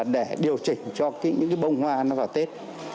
để điều chỉnh cho những cái bông hoa nó vào tết